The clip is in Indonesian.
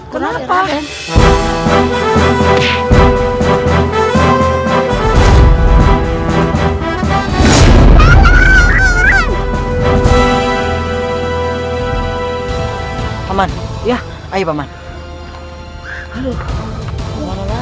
kita akan menyelektratnya